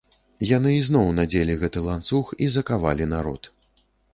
Яны ізноў надзелі гэты ланцуг і закавалі народ.